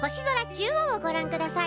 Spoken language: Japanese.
中央をごらんください。